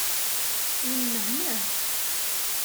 Yemmehmeh.